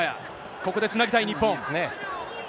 ここでつなぎたい日本。